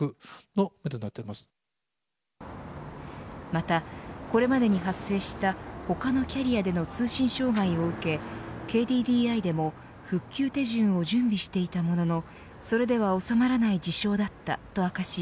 また、これまでに発生した他のキャリアでの通信障害を受けＫＤＤＩでも復旧手順を準備していたもののそれでは収まらない事象だったと明かし